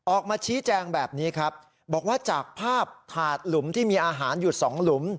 ออกมาชี้แจงแบบนี้ครับบอกว่าจากภาพถาดหลุมที่มีอาหารอยู่สองหลุม